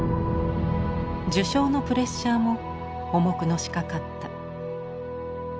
受賞のプレッシャーも重くのしかかった。